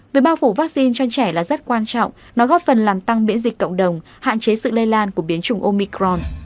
việc bao phủ vaccine cho trẻ là rất quan trọng nó góp phần làm tăng biễn dịch cộng đồng hạn chế sự lây lan của biến chủng omicron